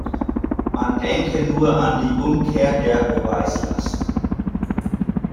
Man denke nur an die Umkehr der Beweislast.